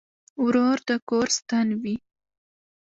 ورور د کور ستن وي.